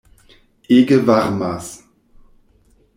Ege varmas!